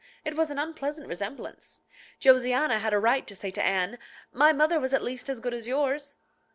It was an unpleasant resemblance. Josiana had a right to say to Anne, "My mother was at least as good as yours."